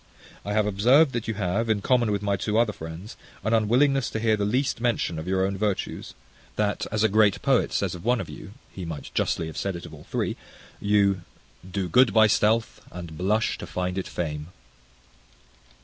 I have observed that you have, in common with my two other friends, an unwillingness to hear the least mention of your own virtues; that, as a great poet says of one of you, (he might justly have said it of all three), you Do good by stealth, and blush to find it fame.